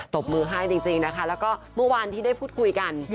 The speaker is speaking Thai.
บมือให้จริงนะคะแล้วก็เมื่อวานที่ได้พูดคุยกัน